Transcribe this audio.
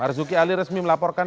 marzuki ali resmi melaporkan